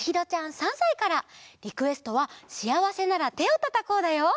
リクエストは「しあわせならてをたたこう」だよ。